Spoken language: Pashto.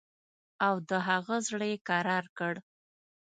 او د هغه زړه یې کرار کړ.